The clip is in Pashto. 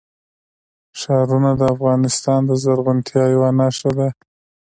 ښارونه د افغانستان د زرغونتیا یوه نښه ده.